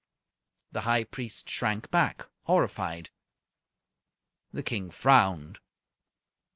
The High Priest shrank back, horrified. The King frowned.